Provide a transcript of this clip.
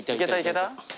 いけた？